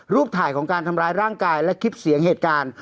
ถ่ายของการทำร้ายร่างกายและคลิปเสียงเหตุการณ์